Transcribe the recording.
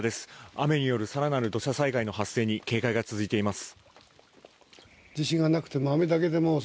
雨による更なる土砂災害の発生に警戒が続いています。